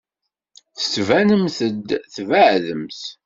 Tettbanemt-d tbeɛdemt.